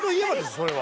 それは。